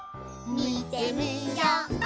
みてみよう！